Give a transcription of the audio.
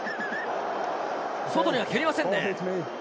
外には蹴りませんね。